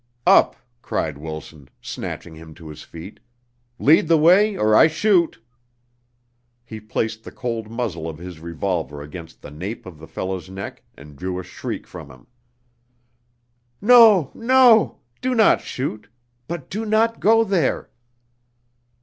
"Up," cried Wilson, snatching him to his feet. "Lead the way or I shoot." He placed the cold muzzle of his revolver against the nape of the fellow's neck and drew a shriek from him. "No! No! Do not shoot! But do not go there!"